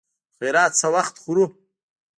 خيرات څه وخت خورو.